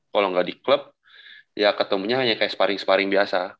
kalau nggak di klub ya ketemunya hanya kayak sparring sparring biasa